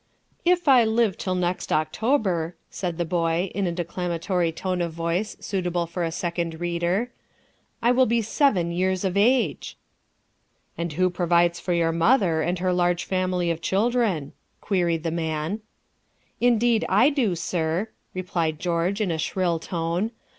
"If I live till next October," said the boy, in a declamatory tone of voice suitable for a Second Reader, "I will be seven years of age." "And who provides for your mother and her large family of children?" queried the man. "Indeed, I do, sir," replied George, in a shrill tone.